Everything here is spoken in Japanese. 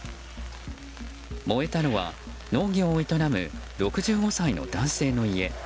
燃えたのは農業を営む６５歳の男性の家。